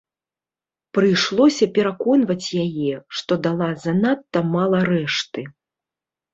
Прыйшлося пераконваць яе, што дала занадта мала рэшты.